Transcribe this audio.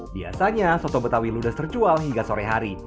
biasanya soto betawi ludes terjual hingga sore hari